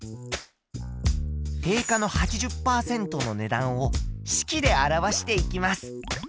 定価の８０％の値段を式で表していきます。